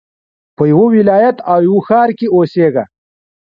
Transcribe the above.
په يوه ولايت او يوه ښار کښي اوسېږه!